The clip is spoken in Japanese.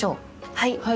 はい。